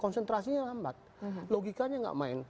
sentrasinya lambat logikanya tidak main